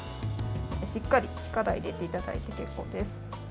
しっかり力を入れていただいて結構です。